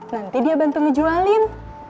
nanti dia bantu ngejualin